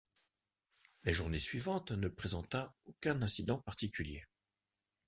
La journée suivante ne présenta aucun incident particulier.